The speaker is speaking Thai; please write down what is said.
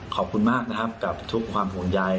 ขอบคุณมากนะครับกับทุกความห่วงใย